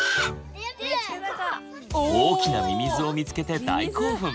大きなミミズを見つけて大興奮！